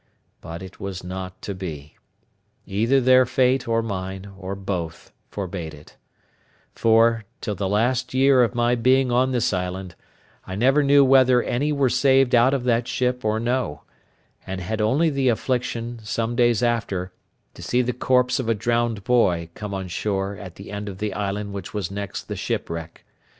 But it was not to be; either their fate or mine, or both, forbade it; for, till the last year of my being on this island, I never knew whether any were saved out of that ship or no; and had only the affliction, some days after, to see the corpse of a drowned boy come on shore at the end of the island which was next the shipwreck.